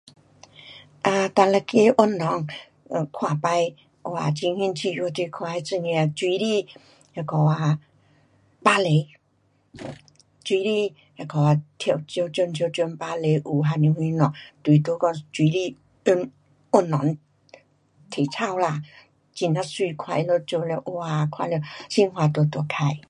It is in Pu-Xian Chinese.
啊，哪一个运动，看起，哇很兴趣，我就是看这种的啊水里那个啊，芭蕾。水里那个啊跳各种各种芭蕾舞还是什么，就是在我水里运，运动，体操啦，很呀美，看她们做了，哇，看了心花朵朵开。